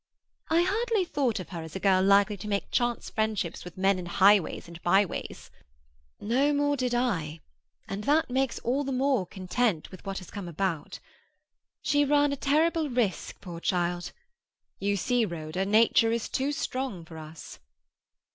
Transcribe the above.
"I hardly thought of her as a girl likely to make chance friendships with men in highways and by ways." "No more did I; and that makes all the more content with what has come about. She ran a terrible risk, poor child. You see, Rhoda, nature is too strong for us."